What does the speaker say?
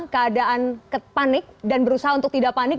keadaan panik dan berusaha untuk tidak panik